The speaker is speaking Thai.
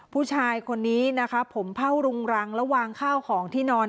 ผู้ชายคนนี้นะคะผมเผ่ารุงรังแล้ววางข้าวของที่นอน